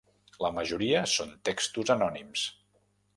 La majoria són textos anònims.